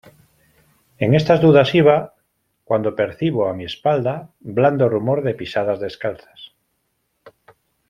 en estas dudas iba, cuando percibo a mi espalda blando rumor de pisadas descalzas.